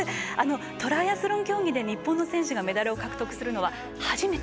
トライアスロン競技で日本の選手がメダルを獲得するのは初めて。